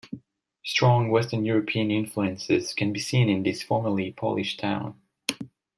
Strong Western European influences can be seen in this formerly Polish town.